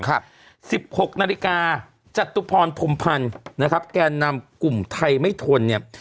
สิบหกนาฬิกาจตุพรพรมพันธ์นะครับแกนนำกลุ่มไทยไม่ทนเนี่ย